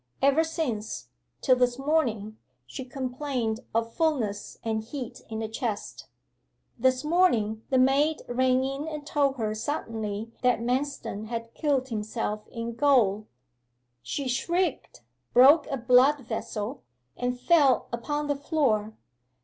Ever since, till this morning, she complained of fulness and heat in the chest. This morning the maid ran in and told her suddenly that Manston had killed himself in gaol she shrieked broke a blood vessel and fell upon the floor.